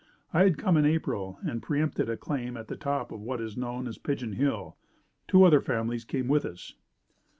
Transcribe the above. I had come in April and pre empted a claim at the top of what is known as Pigeon Hill. Two other families came with us.